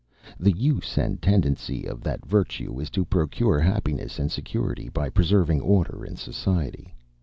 The use and tendency of that virtue is to procure happiness and security, by preserving order in society.